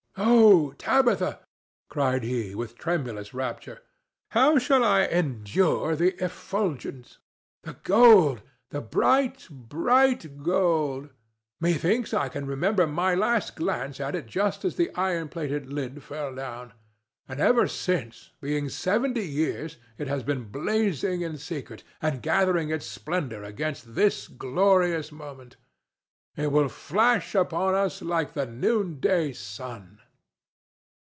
"Oh, Tabitha," cried he, with tremulous rapture, "how shall I endure the effulgence? The gold!—the bright, bright gold! Methinks I can remember my last glance at it just as the iron plated lid fell down. And ever since, being seventy years, it has been blazing in secret and gathering its splendor against this glorious moment. It will flash upon us like the noonday sun."